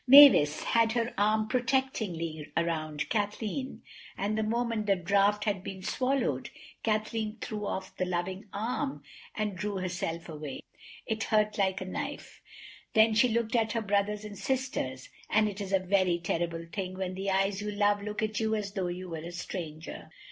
Mavis had her arm protectingly around Kathleen, and the moment the draught had been swallowed Kathleen threw off that loving arm and drew herself away. It hurt like a knife. Then she looked at her brothers and sisters, and it is a very terrible thing when the eyes you love look at you as though you were a stranger.